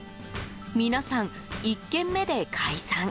皆さん、１軒目で解散。